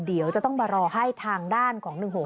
เดี๋ยวจะต้องมารอให้ทางด้านของ๑๖